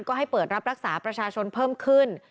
ก็ให้เปิดรับรักษาประชาชนเพิ่มขึ้น